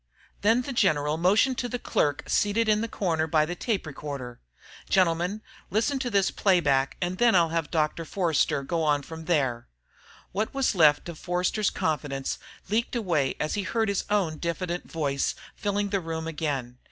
Then the general motioned to the clerk seated in the corner by a tape recorder. "Gentlemen, listen to this playback and then I'll have Dr. Forster here go on from there." What was left of Forster's confidence leaked away as he heard his own diffident voice filling the room again.